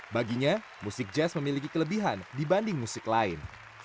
baginya musik jazz memiliki kelebihan dibanding musik lain